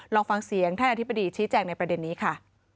ลองฟังเสียงท่านอธิบดีชี้แจงในประเด็นนี้ค่ะ